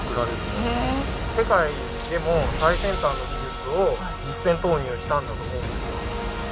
世界でも最先端の技術を実践投入したんだと思うんですよ。